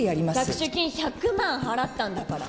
着手金１００万払ったんだからね。